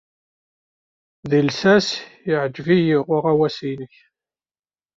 Deg llsas, yeɛjeb-iyi uɣawas-nnek.